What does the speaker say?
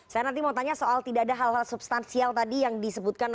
saya nanti mau tanya soal tidak ada halal substansial tadi yang disampaikan